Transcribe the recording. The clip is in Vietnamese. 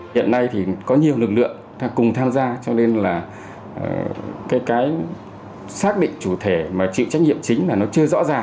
hiện nay thì có nhiều lực lượng cùng tham gia cho nên là cái xác định chủ thể mà chịu trách nhiệm chính là nó chưa rõ ràng